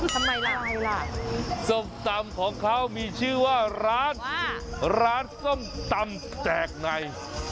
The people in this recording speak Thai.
ทำไมล่ะส้มตำของเขามีชื่อว่าร้านร้านส้มตำแจกใน